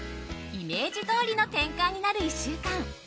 イメージどおりの展開になる１週間。